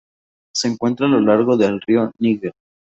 Se encuentra a lo largo del río Níger.